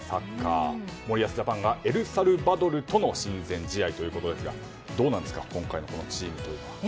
森保ジャパンがエルサルバドルとの親善試合ということですがどうなんですか、今回のチームは。